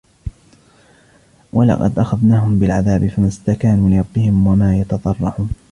وَلَقَدْ أَخَذْنَاهُمْ بِالْعَذَابِ فَمَا اسْتَكَانُوا لِرَبِّهِمْ وَمَا يَتَضَرَّعُونَ